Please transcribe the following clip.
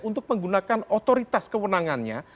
untuk menggunakan otoritas kewenangannya